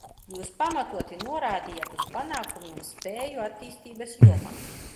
Jūs pamatoti norādījāt uz panākumiem spēju attīstības jomā.